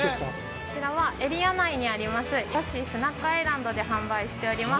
◆こちらはエリア内にありますヨッシースナックアイランドで、発売しております。